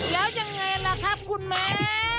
แล้วยังไงล่ะครับคุณแม่